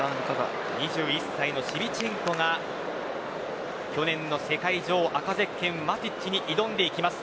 ２１歳のシビチェンコが去年の世界女王赤ゼッケンのマティッチに挑んでいきます。